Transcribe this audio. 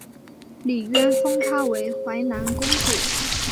李渊封她为淮南公主。